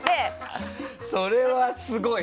それはすごい。